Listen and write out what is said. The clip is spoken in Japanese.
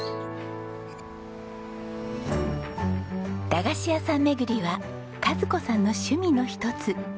駄菓子屋さん巡りは和子さんの趣味の一つ。